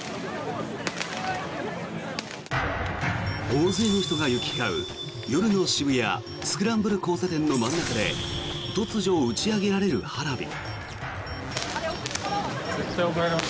大勢の人が行き交う夜の渋谷・スクランブル交差点の真ん中で突如、打ち上げられる花火。